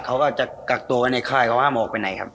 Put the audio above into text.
เขาก็จะกักตัวกันในค่าย